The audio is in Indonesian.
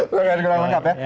pakai lengkap ya